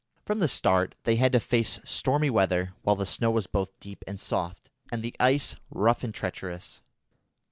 From the start they had to face stormy weather, while the snow was both deep and soft, and the ice rough and treacherous.